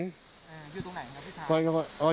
อยู่ตรงไหนครับพี่ไทย